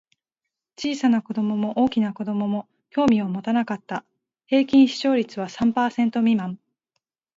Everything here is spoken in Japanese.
小さな子供も大きな子供も興味を持たなかった。平均視聴率は三パーセント未満。